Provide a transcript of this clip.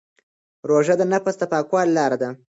روژه د نفس د پاکوالي لاره ده.